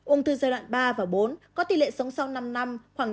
ung thư giai đoạn ba và bốn có tỷ lệ sống sau năm năm khoảng năm mươi chín